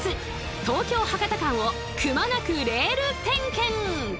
東京博多間をくまなくレール点検！